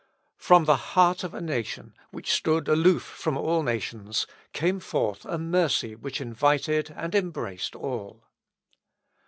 From the heart of a nation, which stood aloof from all nations, came forth a mercy which invited and embraced all.